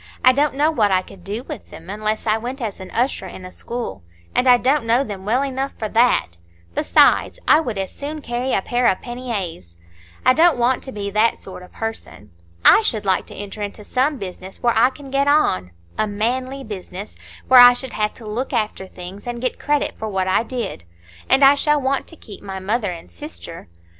I don't know what I could do with them unless I went as usher in a school; and I don't know them well enough for that! besides, I would as soon carry a pair of panniers. I don't want to be that sort of person. I should like to enter into some business where I can get on,—a manly business, where I should have to look after things, and get credit for what I did. And I shall want to keep my mother and sister."